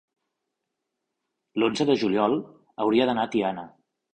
l'onze de juliol hauria d'anar a Tiana.